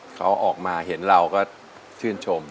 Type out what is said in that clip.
เขาออกมาเห็นเราก็ชื่นชม